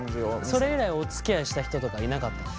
それ以来おつきあいした人とかいなかったの？